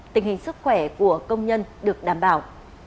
tình hình sức khỏe của công nhân được đảm bảo